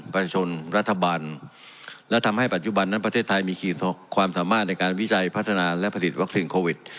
ประชาชนรัฐบาลและทำให้ปัจจุบันนั้นประเทศไทยมีขีดความสามารถในการวิจัยพัฒนาและผลิตวัคซีนโควิด